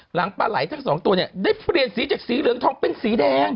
หลังปลาไหลทั้งสองตัวเนี่ยได้เปลี่ยนสีจากสีเหลืองทองเป็นสีแดง